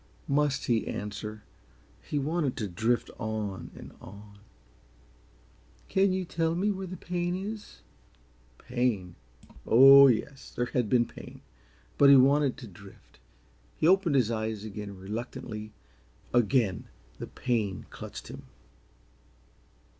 Must he answer? He wanted to drift on and on "Can you tell me where the pain is?" Pain? Oh, yes, there had been pain but he wanted to drift. He opened his eyes again reluctantly; again the pain clutched him.